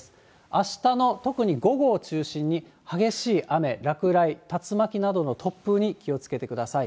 あしたの特に午後を中心に、激しい雨、落雷、竜巻などの突風に気をつけてください。